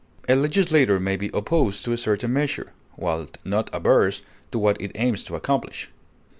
A legislator may be opposed to a certain measure, while not averse to what it aims to accomplish.